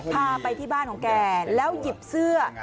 พาไปที่บ้านของแกแล้วหยิบเสื้อ